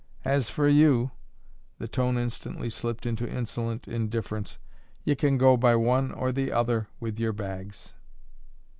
As for you" the tone instantly slipped into insolent indifference "ye can go by one or the other with yer bags."